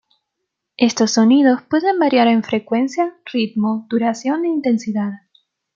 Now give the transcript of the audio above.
Estos sonidos pueden variar en frecuencia, ritmo, duración e intensidad.